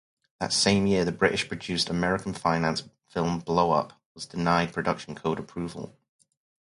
That same year, the British-produced, American-financed film "Blowup" was denied Production Code approval.